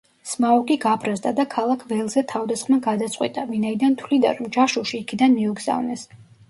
სმაუგი გაბრაზდა და ქალაქ ველზე თავდასხმა გადაწყვიტა, ვინაიდან თვლიდა, რომ ჯაშუში იქიდან მიუგზავნეს.